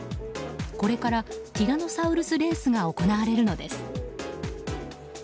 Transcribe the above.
これからティラノサウルスレースが行われるのです。